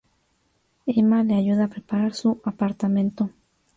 Emma le ayuda a preparar su apartamento.